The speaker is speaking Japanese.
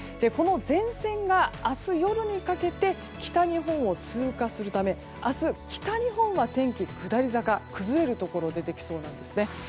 この前線が明日夜にかけて北日本を通過するため明日、北日本は天気下り坂崩れるところが出てきそうなんですね。